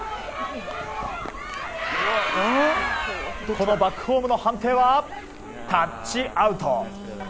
このバックホームの判定はタッチアウト！